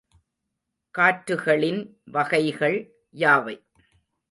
காற்றுகளின் வகைகள் யாவை?